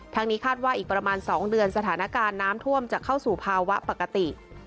นี้คาดว่าอีกประมาณ๒เดือนสถานการณ์น้ำท่วมจะเข้าสู่ภาวะปกติ